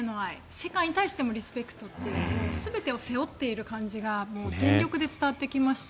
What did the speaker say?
世界に対してもリスペクトという全てを背負っている感じが全力で伝わってきますし。